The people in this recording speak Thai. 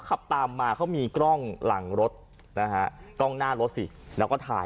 ขับตามมาเขามีกล้องหลังรถนะฮะกล้องหน้ารถสิแล้วก็ถ่าย